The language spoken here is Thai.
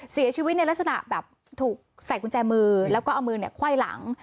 เสียชีวิตในลักษณะแบบถูกใส่กุญแจมือแล้วก็เอามือเนี่ยไขว้หลัง